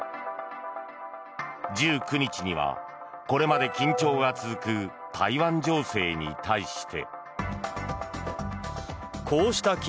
１９日には、これまで緊張が続く台湾情勢に対して。